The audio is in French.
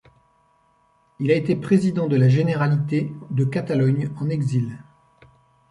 Il a été président de la généralité de Catalogne en exil.